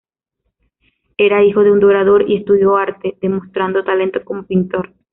Era hijo de un dorador y estudió arte, demostrando talento como pintor.